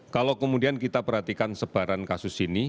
kalau kemudian kita perhatikan sebaran kasus ini